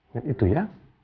lihat itu ya